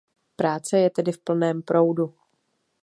Práce je tedy v plném proudu.